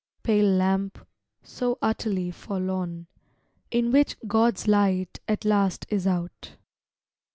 Pale lamp, so utterly forlorn. In which God's light at last is out.